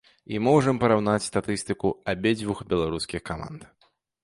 І можам параўнаць статыстыку абедзвюх беларускіх каманд.